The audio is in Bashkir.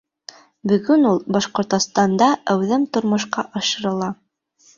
Бөгөн ул Башҡортостанда әүҙем тормошҡа ашырыла.